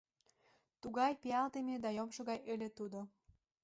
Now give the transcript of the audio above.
Тугай пиалдыме да йомшо гай ыле тудо...